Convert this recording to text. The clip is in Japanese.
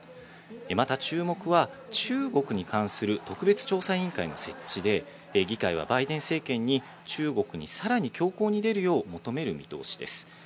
また、注目は中国に関する特別調査委員会の設置で、議会はバイデン政権に中国にさらに強硬に出るよう求める見通しです。